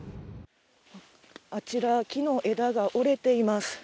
あちら木の枝が折れています。